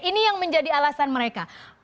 ini yang menjadi alasan mereka